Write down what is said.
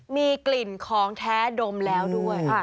มีกลิ่นของแท้ดมแล้วด้วย